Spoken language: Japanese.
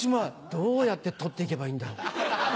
どうやって取って行けばいいんだろう。